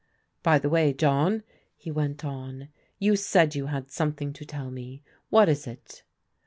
" By the way, John," he went on, " you said you had something to tell me. What is it